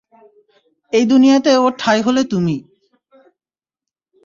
এই দুনিয়াতে ওর ঠাই হলে তুমি।